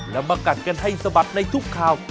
แล้วมากัดกันให้สะบัดในทุกข่าว